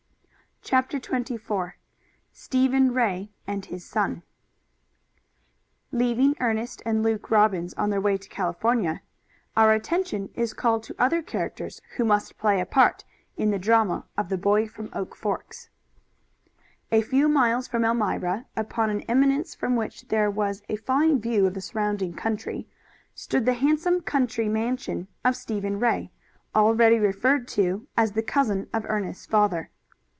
CHAPTER XXIV STEPHEN RAY AND HIS SON Leaving Ernest and Luke Robbins on their way to California, our attention is called to other characters who must play a part in the drama of the boy from Oak Forks. A few miles from Elmira, upon an eminence from which there was a fine view of the surrounding country, stood the handsome country mansion of Stephen Ray, already referred to as the cousin of Ernest's father.